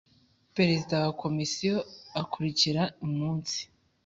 Perezida wa Komisiyo akurikira umunsi